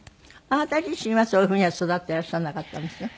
あなた自身はそういうふうには育っていらっしゃらなかったんですか？